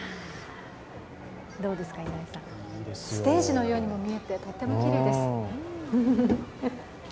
ステージのようにも見えてとってもきれいです。